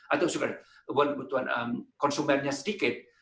atau kebutuhan konsumennya sedikit